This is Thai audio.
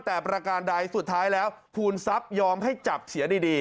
แต่ประการใดสุดท้ายแล้วภูมิทรัพย์ยอมให้จับเสียดี